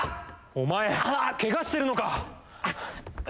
お前けがしてるのか？